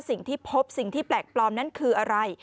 สิ่งที่พบสิ่งที่แปลกปลอมนั้นคืออะไร